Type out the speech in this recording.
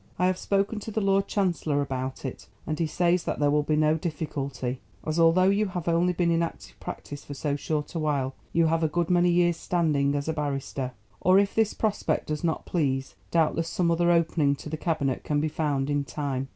I have spoken to the Lord Chancellor about it, and he says that there will be no difficulty, as although you have only been in active practice for so short a while, you have a good many years' standing as a barrister. Or if this prospect does not please doubtless some other opening to the Cabinet can be found in time.